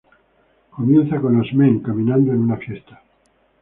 Comienza con Osment caminando en una fiesta.